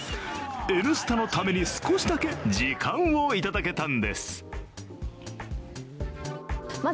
「Ｎスタ」のために少しだけ時間をいただけたんです。